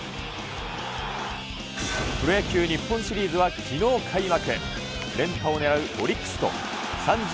プロ野球日本シリーズはきのう開幕。